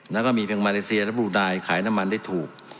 แล้วก็มีเพียงมาเลเซียและบรูนายขายน้ำมันได้ถูก